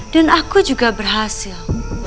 dan aku juga berhasil